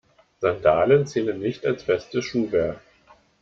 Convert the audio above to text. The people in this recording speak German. Sandalen zählen nicht als festes Schuhwerk.